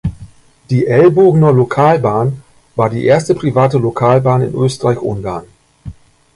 Die "Elbogener Localbahn" war die erste private Lokalbahn in Österreich-Ungarn.